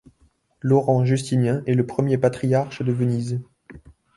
Laurent Justinien est le premier patriarche de Venise.